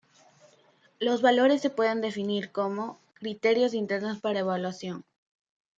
Los valores se pueden definir como "criterios internos para evaluación".